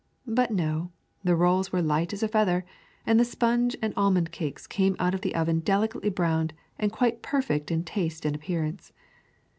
But no, the rolls were light as a feather, and the sponge and almond cakes came out of the oven delicately browned and quite perfect in taste and appearance.